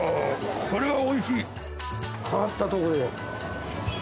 これはおいしい！